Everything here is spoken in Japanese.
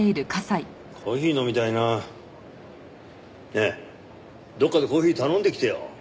ねえどっかでコーヒー頼んできてよ。